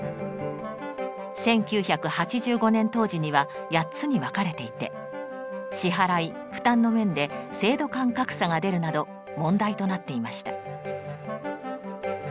１９８５年当時には８つに分かれていて支払い・負担の面で制度間格差が出るなど問題となっていました。